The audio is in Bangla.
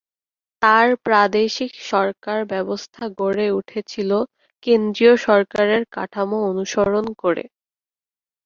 তাঁর প্রাদেশিক সরকার ব্যবস্থা গড়ে উঠেছিল কেন্দ্রীয় সরকারের কাঠামো অনুসরণ করে।